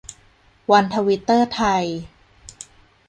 วันทวิตเตอร์ไทย